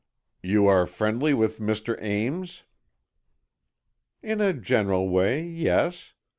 "You are friendly with Mr. Ames?" "In a general way, yes.